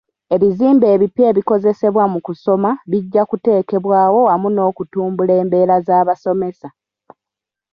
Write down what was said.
Ebizimbe ebipya ebikozesebwa mu kusoma bijja kuteekebwawo wamu n'okutumbula embeera z'abasomesa.